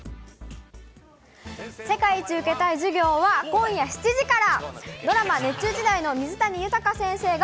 世界一受けたい授業は今夜７時から。